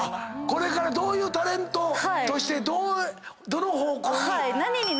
これからどういうタレントとしてどの方向に。